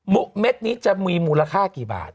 เม็ดนี้จะมีมูลค่ากี่บาท